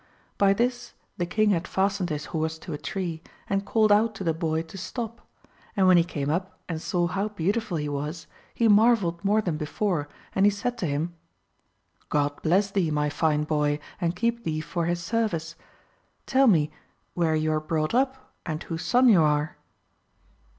By this the king had fastened his horse to a tree, and called out to the boy to stop, and when he came up and saw how beautiful he was he marvelled more than before, and he said to him, God bless thee my fine boy, and keep thee for his service ; tell me where you are brought up and whose son you are